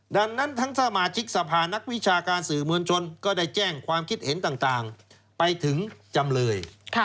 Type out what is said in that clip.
ดังนั้นทั้งสมาชิกสภานักวิชาการสื่อมวลชนก็ได้แจ้งความคิดเห็นต่างไปถึงจำเลย